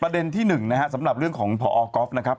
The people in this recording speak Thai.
ประเด็นที่หนึ่งนะครับสำหรับเรื่องของพอก๊อฟนะครับ